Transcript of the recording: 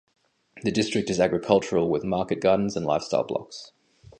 The district is agricultural, with market gardens and lifestyle blocks.